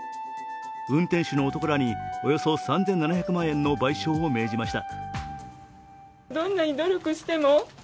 運転手の男らにおよそ３７００万円の賠償を命じました。